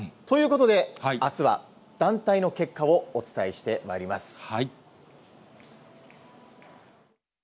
ということで、あすは団体の結果をお伝えしてまいります。